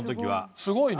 すごいね。